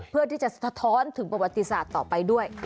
เพื่อที่จะสะท้อนถึงประวัติศาสตร์ต่อไปด้วย